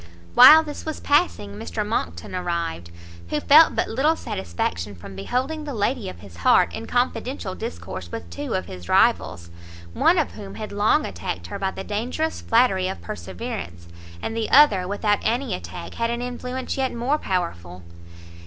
While this was passing, Mr Monckton arrived; who felt but little satisfaction from beholding the lady of his heart in confidential discourse with two of his rivals, one of whom had long attacked her by the dangerous flattery of perseverance, and the other, without any attack, had an influence yet more powerful.